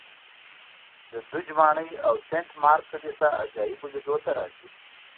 د دوج ماڼۍ او سنټ مارک کلیسا عجایبو لیدو ته راځي